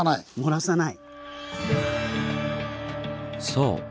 そう。